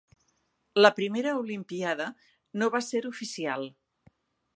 La primera olimpíada no va ser oficial.